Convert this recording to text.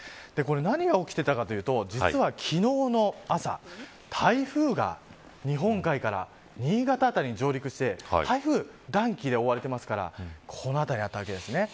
何が起きていたかというと実は昨日の朝台風が日本海から新潟辺りに上陸して台風は暖気で覆われていますからこの辺りだったわけですね。